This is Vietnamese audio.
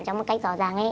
trong một cách rõ ràng ấy